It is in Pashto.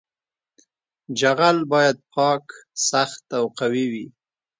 جغل باید پاک سخت او قوي وي